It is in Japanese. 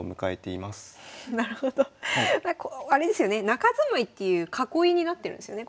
中住まいっていう囲いになってるんですよね